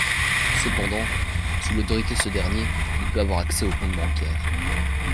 Cependant, sous l’autorité de ce dernier, il peut avoir accès au compte bancaire.